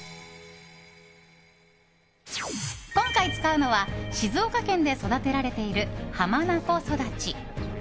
今回使うのは静岡県で育てられている、浜名湖そだち。